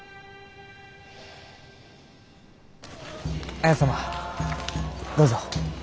綾様どうぞ。